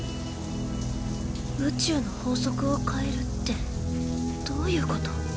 宇宙の法則を変えるってどういうこと？